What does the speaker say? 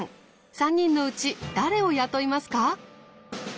３人のうち誰を雇いますか？